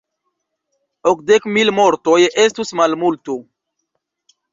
Okdek mil mortoj estus malmulto.